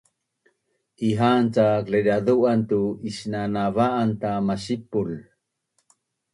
Iha’an cak Laidazu’an tu isnanava’an ta masipul